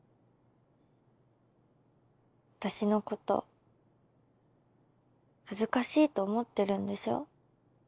私のこと恥ずかしいと思ってるんでしょ？